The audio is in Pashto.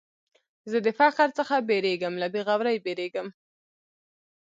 زه د فقر څخه بېرېږم، له بېغورۍ بېرېږم.